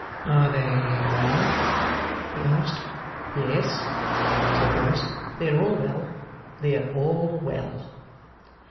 'Are they well?' he asked. 'Yes,' said Doyce; 'they are well. They are all well.